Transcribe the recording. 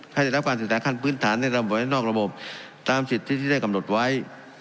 ให้ได้รับการศึกษาขั้นพื้นฐานในระบบและนอกระบบตามสิทธิที่ได้กำหนดไว้